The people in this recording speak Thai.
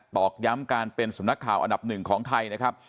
อกย้ำการเป็นสำนักข่าวอันดับหนึ่งของไทยนะครับ